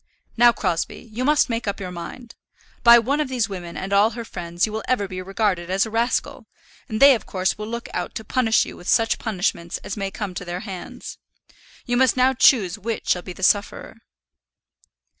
"Now, Crosbie, you must make up your mind. By one of these women and all her friends you will ever be regarded as a rascal, and they of course will look out to punish you with such punishment as may come to their hands. You must now choose which shall be the sufferer."